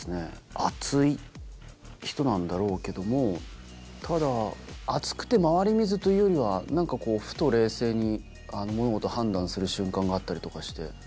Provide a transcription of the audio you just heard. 熱い人なんだろうけどもただ熱くて周り見ずというよりは何かこうふと冷静に物事を判断する瞬間があったりとかして。